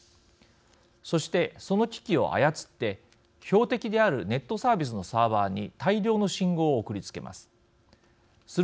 そして、その機器を操って標的であるネットサービスのサーバーに大量の信号を送りつけます。